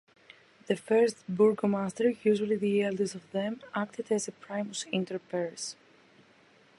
The "first burgomaster", usually the eldest of them, acted as a "primus inter pares".